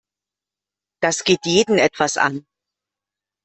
Das geht jeden etwas an.